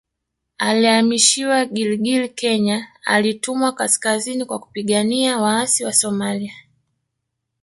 Alihamishiwa Gilgil Kenya alitumwa kaskazini kwa kupigania waasi Wasomalia